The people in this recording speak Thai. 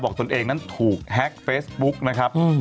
ตนเองนั้นถูกแฮ็กเฟซบุ๊กนะครับ